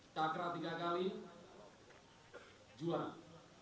takra tiga kali juara